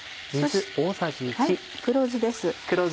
黒酢です。